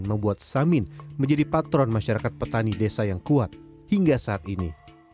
membuat samin menjadi patron masyarakat petani desa yang kuat hingga saat ini